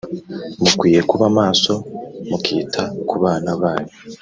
mukwiye kuba maso mukita ku bana banyu